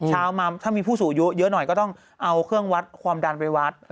เช้ามาถ้ามีผู้สูงอายุเยอะหน่อยก็ต้องเอาเครื่องวัดความดันไปวัด